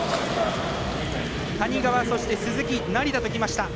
谷川、鈴木、成田ときました。